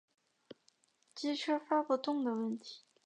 机车发不动的问题